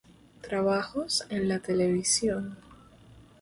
Trabajos en la televisión